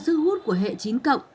sức hút của hệ chín cộng